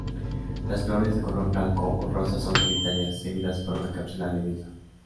Las flores de color blanco o rosa son solitarias, seguidas por una cápsula leñosa.